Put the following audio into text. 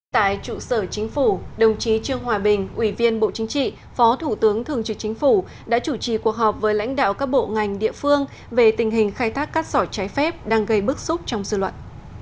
tại trụ sở chính phủ đồng chí trương hòa bình ủy viên bộ chính trị phó thủ tướng thường trực chính phủ đã chủ trì cuộc họp với lãnh đạo các bộ ngành địa phương về tình hình khai thác cát sỏi trái phép đang gây bức xúc trong dư luận